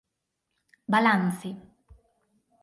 Balance